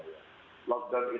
sudah punya urut urutannya ya